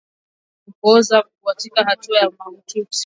Kupooza katika hatua za mahututi